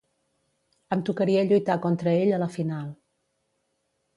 Em tocaria lluitar contra ell a la final.